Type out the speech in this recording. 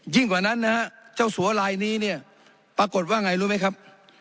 กว่านั้นนะฮะเจ้าสัวลายนี้เนี่ยปรากฏว่าไงรู้ไหมครับ